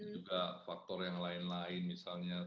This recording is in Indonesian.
juga faktor yang lain lain misalnya